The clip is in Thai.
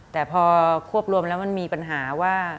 แต่พอควบรวมแล้วมันมีปัญหาว่า